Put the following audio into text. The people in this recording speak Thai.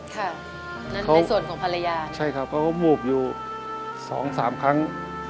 ค่ะนั่นเป็นส่วนของภรรยาใช่ครับเขาก็วูบอยู่สองสามครั้ง